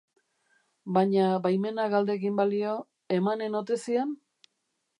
Baina baimena galdegin balio, emanen ote zion?